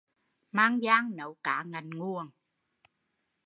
Mang giang nấu cá ngạnh nguồn